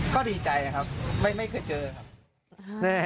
ก็ดีใจนะครับไม่เคยเจอครับ